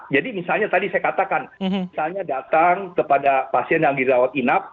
jadi misalnya tadi saya katakan misalnya datang kepada pasien yang dirawat inap